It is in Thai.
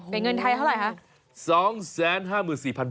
เป็นเงินไทยเท่าไหร่คะ